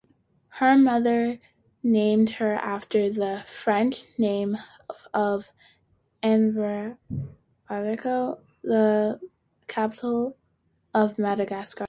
Her mother named her after the French name for Antananarivo, the capital of Madagascar.